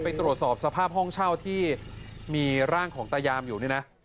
ไปตรวจสอบสภาพห้องเช่าที่มีร่างของตายามอยู่นี่นะ